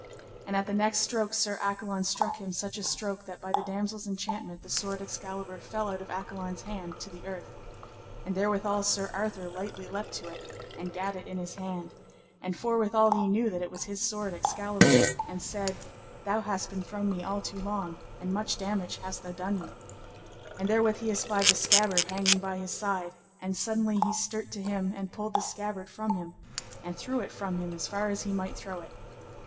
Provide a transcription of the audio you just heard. And at the next stroke Sir Accolon struck him such a stroke that by the damosel's enchantment the sword Excalibur fell out of Accolon's hand to the earth. And therewithal Sir Arthur lightly leapt to it, and gat it in his hand, and forthwithal he knew that it was his sword Excalibur, and said, Thou hast been from me all too long, and much damage hast thou done me; and therewith he espied the scabbard hanging by his side, and suddenly he sterte to him and pulled the scabbard from him, and threw it from him as far as he might throw it.